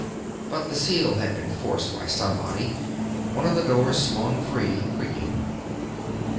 But the seal had been forced by somebody; one of the doors swung free, creaking.